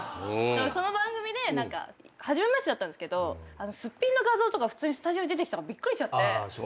その番組で初めましてだったんですけどすっぴんの画像とかスタジオに出てきたからびっくりして。